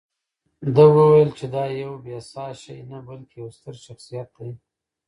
ده وویل چې دا یو بې ساه شی نه، بلکې یو ستر شخصیت دی.